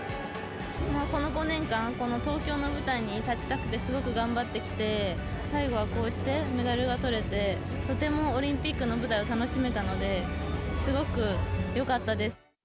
この５年間、この東京の舞台に立ちたくて、すごく頑張ってきて、最後はこうしてメダルがとれて、とてもオリンピックの舞台を楽しめたので、すごくよかったです。